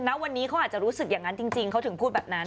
ณวันนี้เขาอาจจะรู้สึกอย่างนั้นจริงเขาถึงพูดแบบนั้น